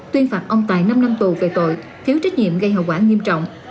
tuyên phạt ông tài năm năm tù về tội thiếu trách nhiệm gây hậu quả nghiêm trọng